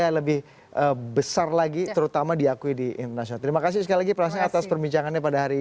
yang lebih besar lagi terutama diakui di internasional terima kasih sekali lagi prasa atas perbincangannya pada hari